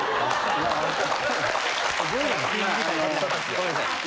ごめんなさい。